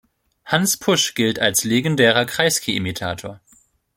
Hans Pusch gilt als legendärer Kreisky-Imitator.